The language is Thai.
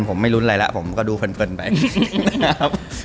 ผมไม่ลุ้นอะไรล่ะผมก็ดูเพิ่มเผินไปครับ